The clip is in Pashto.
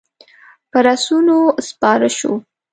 پر آسونو سپاره شوو.